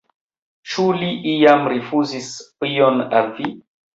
Ĉu li iam rifuzis ion al vi?